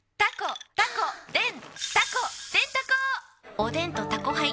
おでんと「タコハイ」ん！